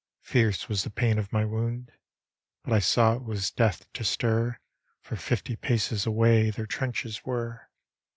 Fierce was the pain of my wound, But I saw it was death to stir, For fifty paces away Their trenches were.